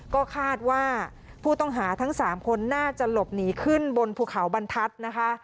ก็คาดว่าผู้ต้องหาทั้ง๓คนน่าจะหลบหนีขึ้นบนภูเขาบรรทัศน์นะคะ